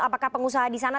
apakah pengusaha di sana